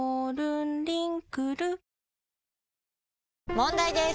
問題です！